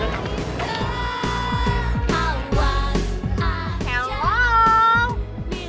gue yakin pasti ada butas butas kehadir